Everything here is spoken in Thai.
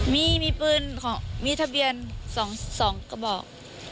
มีปืนมีทะเบียน๒กระบอก